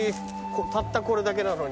たったこれだけなのに。